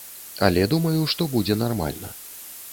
Але думаю, што будзе нармальна.